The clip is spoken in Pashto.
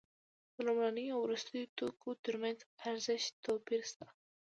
د لومړنیو او وروستیو توکو ترمنځ ارزښتي توپیر شته